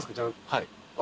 はい。